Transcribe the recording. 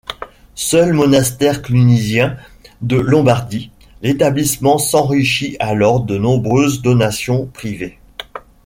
Seul monastère clunisien de Lombardie, l'établissement s'enrichit alors de nombreuses donations privées.